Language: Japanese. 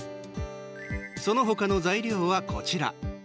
そのほかの材料は、こちら。